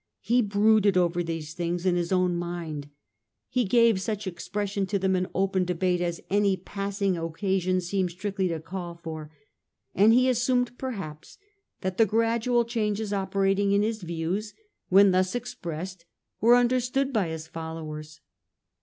He brooded over these things in his own mind ; he gave such expression to them in open debate as any passing occasion seemed strictly to call for ; and he assumed perhaps that the gradual changes operating in his views when thus expressed were understood by his followers.